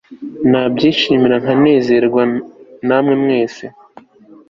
nabyishimira nkanezeranwa namwe mwese